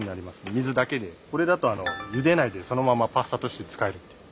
これだとゆでないでそのままパスタとして使えるっていう。